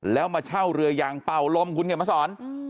แล้วมาเช่าเรือยางเป่าลมคุณเขียนมาสอน